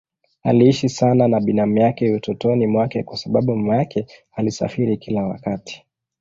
Aliishi sana na binamu yake utotoni mwake kwa sababu mama yake alisafiri kila wakati.